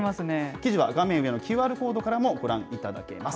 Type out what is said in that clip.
記事は画面上のＱＲコードからご覧いただけます。